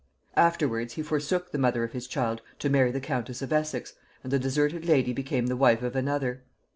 Afterwards he forsook the mother of his child to marry the countess of Essex, and the deserted lady became the wife of another.